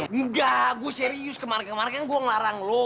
enggak gue serius kemarin kemarin kan gue ngelarang lo